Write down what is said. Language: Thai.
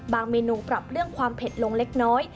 เมนูปรับเรื่องความเผ็ดลงเล็กน้อย